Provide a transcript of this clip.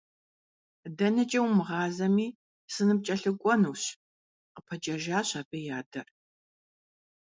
ДэнэкӀэ умыгъазэми, сыныпкӀэлъыкӀуэнущ, – къыпэджэжащ абы и адэр.